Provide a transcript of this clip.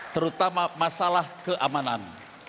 terutama masalah keamanan